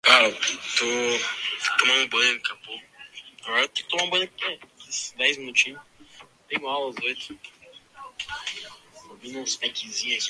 homologação